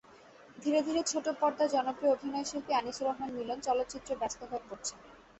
ধীরে ধীরে ছোটপর্দার জনপ্রিয় অভিনয়শিল্পী আনিসুর রহমান মিলন চলচ্চিত্রে ব্যস্ত হয়ে পড়ছেন।